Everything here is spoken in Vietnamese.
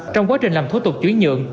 trong quá trình làm thố tục chứng nhận